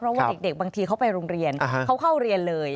เพราะว่าเด็กบางทีเขาไปโรงเรียนเขาเข้าเรียนเลย